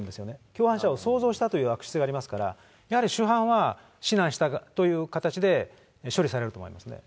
共犯者をそうぞうしたという悪質性がありますから、やはり主犯は指南した側という形で処理されると思いますね。